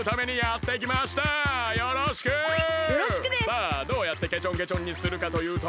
さあどうやってけちょんけちょんにするかというと。